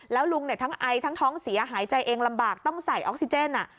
แล้วลุงทั้งไอทั้งท้องเสียหายใจเองลำบากต้องใส่ออกซิเจน